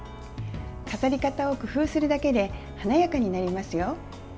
飾り方を工夫するだけで華やかになりますよ。